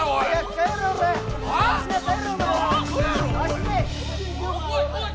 走れ！